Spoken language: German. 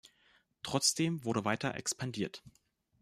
Trotzdem wurde weiter expandiert.